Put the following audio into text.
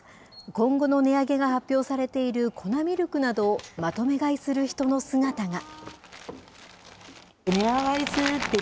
今後の値上げが発表されている粉ミルクなどをまとめ買いする人の姿が。